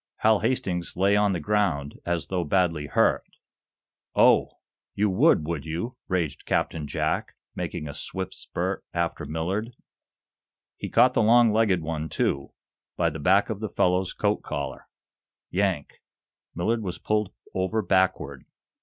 Hal Hastings lay on the ground, as though badly hurt. "Oh, you would, would you?" raged Captain Jack Benson, making a swift spurt after Millard. He caught the long legged one, too, by the back of the fellow's coat collar. Yank! Millard was pulled over backward.